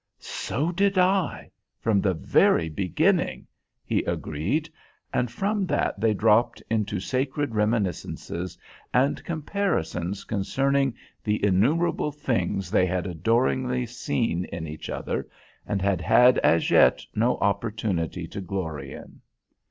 "So did I, from the very beginning " he agreed, and from that they dropped into sacred reminiscences and comparisons concerning the innumerable things they had adoringly seen in each other and had had as yet no opportunity to glory in.